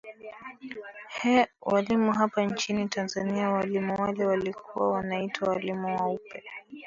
hee walimu hapa nchini tanzania walimu wale walikuwa wanaitwa walimu wa upe